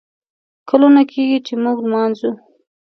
کلونه کیږي ، چې موږه لمانځو